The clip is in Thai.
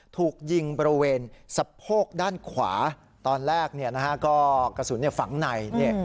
ถูกยิงบริเวณสะโพกด้านขวาตอนแรกกระสุนฝังใน